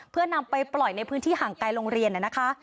เพื่อนำไปปล่อยในพื้นที่ห่างไกลโรงเรียนนะคะ